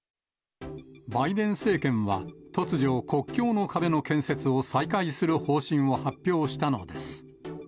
バイデン政権は突如、国境の壁の建設を再開する方針を発表したのです。